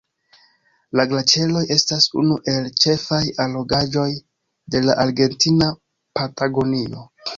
La glaĉeroj estas unu el ĉefaj allogaĵoj de la Argentina Patagonio.